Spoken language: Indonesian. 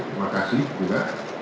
terima kasih juga